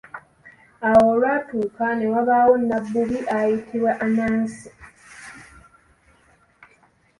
Awo olwatuuka, ne wabaawo nabbubi ayitibwa Anansi.